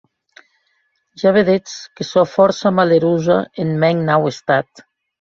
Ja vedetz que sò fòrça malerosa en mèn nau estat.